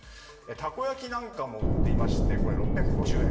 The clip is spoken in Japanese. たこ焼きなんかも売っていましてこれは６５０円。